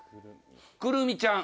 くるみちゃん。